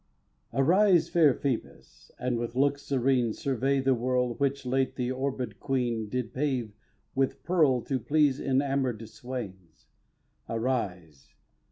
Arise, fair Phoebus! and with looks serene Survey the world which late the orbèd Queen Did pave with pearl to please enamour'd swains. Arise!